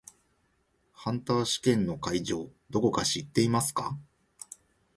ハンター試験の会場どこか知っていますか？